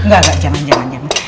gak gak jangan jangan